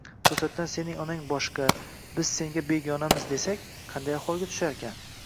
To`satdan Sening onang boshqa, biz senga begonamiz, desak, qanday ahvolga tusharkan